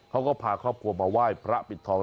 เขาก็พาครอบครัวมาไหว้พระปิดทอง